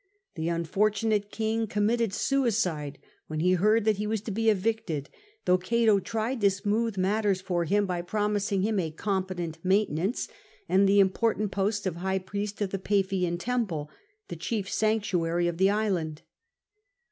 The unfortunate king committed suicide when he heard that he was to be evicted, though Cato tried to smooth matters for him, by promising him a competent main tenance and the important post of high priest of the Paphian temple, the chief sanctuary of the island.